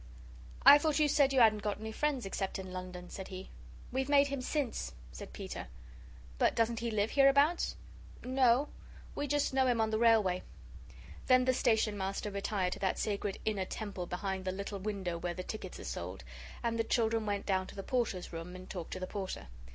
"I thought you said you hadn't got any friends except in London," said he. "We've made him since," said Peter. "But he doesn't live hereabouts?" "No we just know him on the railway." Then the Station Master retired to that sacred inner temple behind the little window where the tickets are sold, and the children went down to the Porters' room and talked to the Porter.